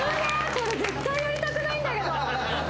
これ絶対やりたくないんだけど。